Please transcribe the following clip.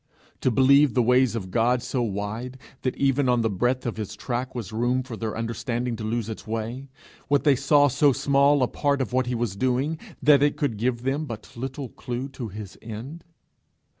to believe the ways of God so wide, that even on the breadth of his track was room for their understanding to lose its way what they saw, so small a part of what he was doing, that it could give them but little clue to his end?